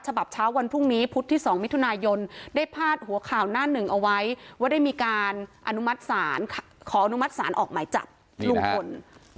ฉบับเช้าวันพรุ่งนี้พุธที่๒มิถุนายนได้พาดหัวข่าวหน้าหนึ่งเอาไว้ว่าได้มีการอนุมัติศาลขออนุมัติศาลออกหมายจับลุงพล